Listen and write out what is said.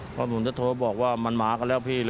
เพราะผมจะโทรบอกว่ามันมากันแล้วพี่